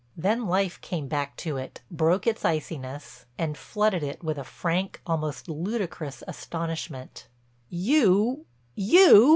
Then life came back to it, broke its iciness, and flooded it with a frank, almost ludicrous astonishment. "You—you!"